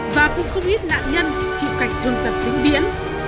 và cũng không ít nạn nhân chịu cảnh thương tật tính biến